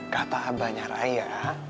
kata abah nyaraya